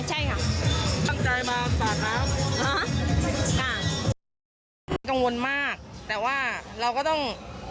ใช่ค่ะตั้งใจมาอันสารครับอ่าค่ะกังวลมากแต่ว่าเราก็ต้อง